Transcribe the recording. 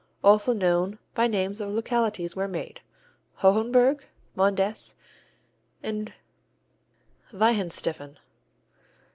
Also known by names of localities where made: Hohenburg, Mondess and Weihenstephan.